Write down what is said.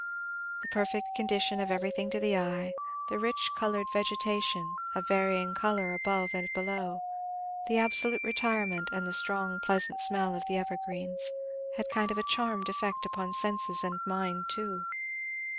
The perfect condition of everything to the eye, the rich coloured vegetation, of varying colour above and below, the absolute retirement, and the strong pleasant smell of the evergreens, had a kind of charmed effect upon senses and mind too.